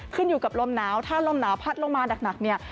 ขึ้นอยู่กับลมหนาวถ้าลมหนาวพัดลงมาหนักเนี่ย